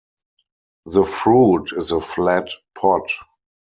The fruit is a flat pod.